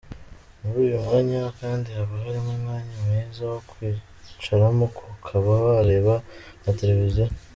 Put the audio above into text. Muri uyu mwanya kandi haba harimo umwanya mwiza wo kwicaramo ukaba wareba na televiziyo.